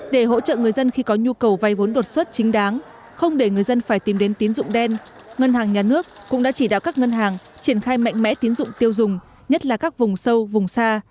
để hỗ trợ người dân khi có nhu cầu vay vốn đột xuất chính đáng không để người dân phải tìm đến tín dụng đen ngân hàng nhà nước cũng đã chỉ đạo các ngân hàng triển khai mạnh mẽ tín dụng tiêu dùng nhất là các vùng sâu vùng xa